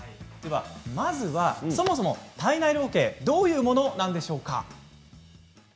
そもそも体内時計はどういうものなんでしょうか。